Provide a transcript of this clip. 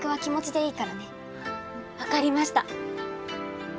分かりました。